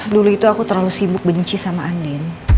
dulu itu aku terlalu sibuk benci sama andin